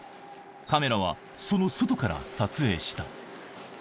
カメラはその外から撮影した。